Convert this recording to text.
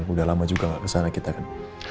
udah lama juga nggak kesana kita kan